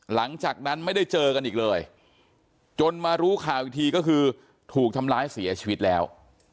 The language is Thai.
หลังจากนั้นไม่ได้เจอกันอีกเลยจนมารู้ข่าวอีกทีก็คือถูกทำร้ายเสียชีวิตแล้ว